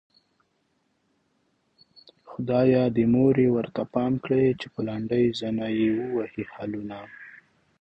خدايه د مور يې ورته پام کړې چې په لنډۍ زنه يې ووهي خالونه